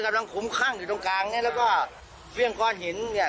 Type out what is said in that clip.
ขุมข้างอยู่ตรงกลางเนี้ยแล้วก็เฟี่ยงก้อนหินเนี่ย